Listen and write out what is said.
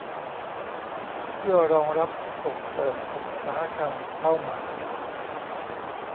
เพื่อรองรับส่งเสริมอุตสาหกรรมเป้าหมาย